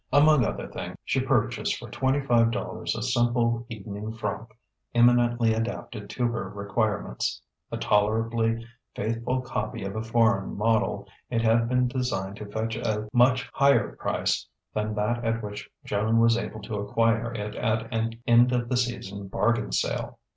Among other things, she purchased for twenty five dollars a simple evening frock eminently adapted to her requirements. A tolerably faithful copy of a foreign model, it had been designed to fetch a much higher price than that at which Joan was able to acquire it at an end of the season bargain sale.